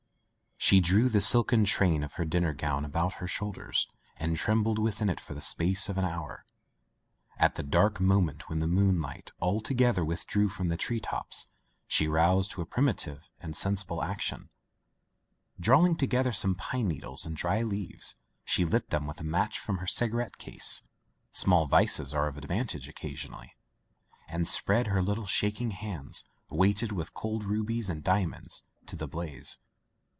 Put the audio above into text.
She drew the silken train of her dinner gown about her shoulders and trembled within it for the space of an hour. At the dark moment when the moon light altogether withdrew from the tree tops, [ 280] Digitized by LjOOQ IC Son of the Woods she roused to a primitive and sensible action. Drawing together some pine needles and dry leaves she lit them with a match from her cigarette case (small vices are of advantage occasionally) and spread her little shaking hands, weighted with cold rubies and di amonds, to the blaze.